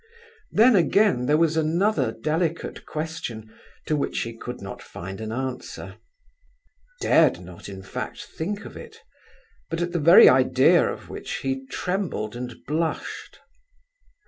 Then, again, there was another delicate question, to which he could not find an answer; dared not, in fact, think of it; but at the very idea of which he trembled and blushed.